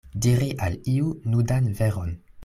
Diri al iu nudan veron.